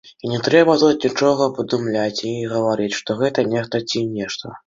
І не трэба тут нічога прыдумляць і гаварыць, што гэта нехта ці нешта.